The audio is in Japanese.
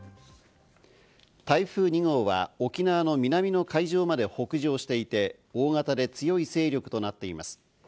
台風２号は沖縄の南の海上まで北上していて、大型で強い勢力となっています。